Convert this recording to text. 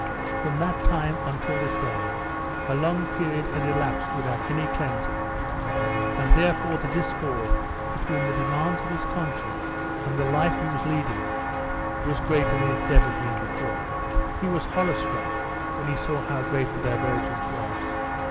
From that time until this day a long period had elapsed without any cleansing, and therefore the discord between the demands of his conscience and the life he was leading was greater than it had ever been before. He was horror struck when he saw how great the divergence was.